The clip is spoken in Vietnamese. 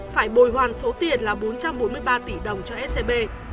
phải bồi hoàn số tiền là bốn trăm bốn mươi ba tỷ đồng cho scb